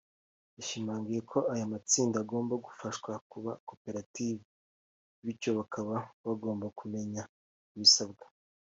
yashimangiye ko aya matsinda agomba gufashwa kuba koperative bityo bakaba bagomba kumenya ibisabwa